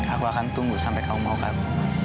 aku akan tunggu sampai kau mau kamu